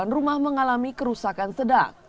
dan rumah mengalami kerusakan sedang